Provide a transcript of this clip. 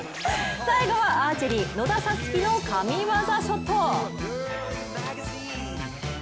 最後はアーチェリー、野田紗月の神業ショット。